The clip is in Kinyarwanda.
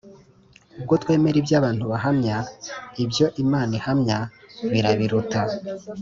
Ubwo twemera ibyo abantu bahamya, ibyo Imana ihamya birabiruta;